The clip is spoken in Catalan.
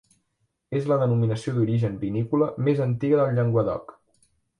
És la denominació d'origen vinícola més antiga del Llenguadoc.